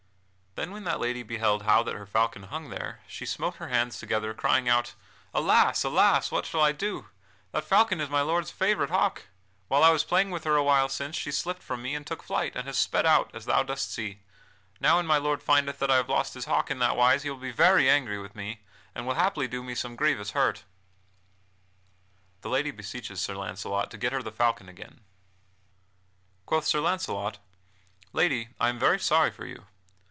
Then when that lady beheld how that her falcon hung there she smote her hands together, crying out: "Alas, alas! what shall I do? That falcon is my lord's favorite hawk! While I was playing with her a while since, she slipped from me and took flight, and has sped as thou dost see. Now when my lord findeth that I have lost his hawk in that wise he will be very angry with me, and will haply do me some grievous hurt." [Sidenote: The Lady beseeches Sir Launcelot to get her the falcon again] Quoth Sir Launcelot: "Lady, I am very sorry for you."